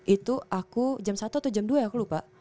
itu aku jam satu atau jam dua ya aku lupa